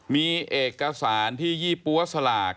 มีเอกสารที่ยี่ปั๊วสลาก